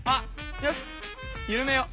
よしゆるめよう。